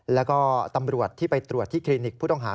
แล้วก็ตำรวจที่ไปตรวจที่คลินิกผู้ต้องหา